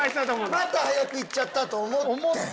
また早く言っちゃったと思って。